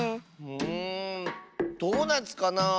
んドーナツかなあ。